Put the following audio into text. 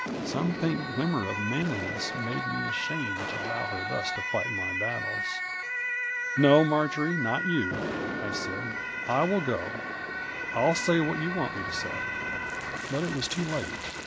Some faint glimmer of manliness made me ashamed to allow her thus to fight my battles. "No, Marjory, not you 1 " I said ;" I will go : I'll say what you want me to say 1 " But it was too late.